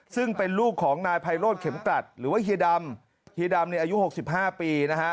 ซึ่งเป็นลูกของนายไพโรธเข็มกลัดหรือว่าเฮียดำเฮียดำเนี่ยอายุ๖๕ปีนะฮะ